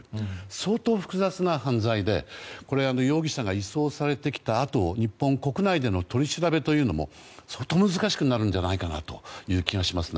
相当複雑な犯罪でこれは容疑者が移送されてきたあと日本国内での取り調べも相当難しくなるんじゃないかという気がしますね。